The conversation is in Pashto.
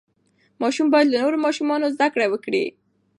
ماشوم باید له نورو ماشومانو زده کړه وکړي.